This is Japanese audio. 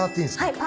はい。